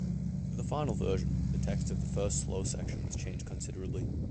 For the final version, the text of the first slow section was changed considerably.